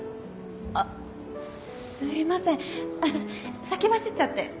あっすいません先走っちゃって。